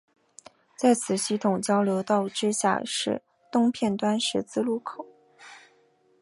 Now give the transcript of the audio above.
在此系统交流道之下是东片端十字路口。